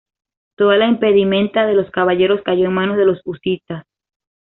Toda la impedimenta de los caballeros cayó en manos de los husitas.